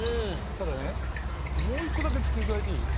ただねもう一個だけ付け加えていい？